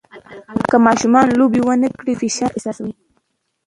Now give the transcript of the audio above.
که ماشومان لوبې نه وکړي، دوی فشار احساسوي.